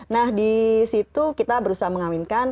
nah di situ kita berusaha mengawinkan